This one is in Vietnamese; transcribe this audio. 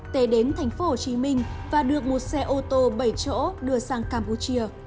tệ đến thành phố hồ chí minh và được một xe ô tô bảy chỗ đưa sang campuchia